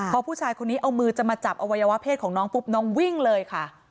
พอผู้ชายคนนี้เอามือจะมาจับอวัยวะเพศของน้องปุ๊บน้องวิ่งเลยค่ะ